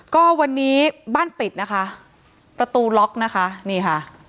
ก็วันนี้บ้านปิดนะคะประตูล็อกนะคะนี่ค่ะ